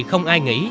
không ai nghĩ